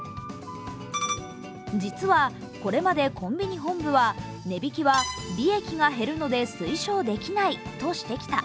実はこれまでコンビニ本部は値引きは利益が減るので推奨できないとしてきた。